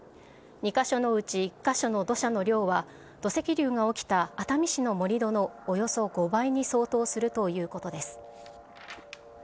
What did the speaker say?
２か所のうち１か所の土砂の量は、土石流が起きた熱海市の盛り土のおよそ５倍に相当するということです。